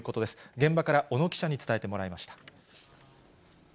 現場から小野記者に伝えてもらいました。